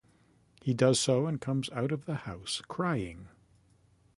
He does so and comes out of the house crying.